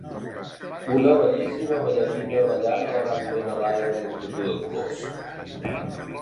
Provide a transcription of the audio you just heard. Una bellíssima ballarina ballant elegantment a l'aire amb un tutú de colors.